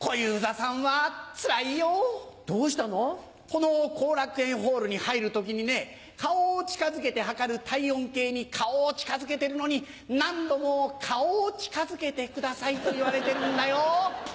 この後楽園ホールに入る時にね顔を近づけて測る体温計に顔を近づけてるのに何度も「顔を近づけてください」と言われてるんだよ。